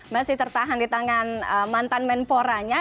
masih tertahan di tangan mantan menporanya